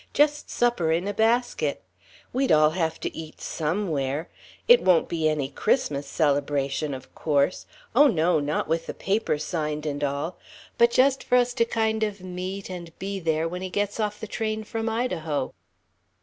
Just supper, in a basket. We'd all have to eat some where. It won't be any Christmas celebration, of course oh, no, not with the paper signed and all. But just for us to kind of meet and be there, when he gets off the train from Idaho."